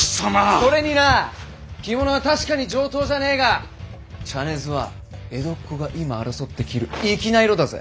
それにな着物は確かに上等じゃあねえが茶ねずは江戸っ子が今争って着る粋な色だぜ！